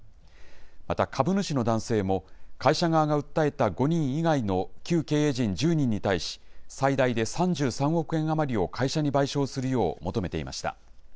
また、株主の男性も会社側が訴えた５人以外の旧経営陣１０人に対し、最大で３３億円余りを会社に賠償するよう求めていました。